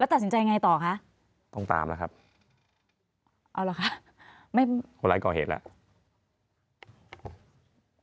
ตัดสินใจไงต่อคะต้องตามแล้วครับเอาเหรอคะไม่คนร้ายก่อเหตุแล้ว